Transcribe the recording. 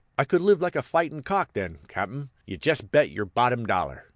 "I could live like a fight'n' cock then, cap'n, yew jist bet yer bottom dollar!"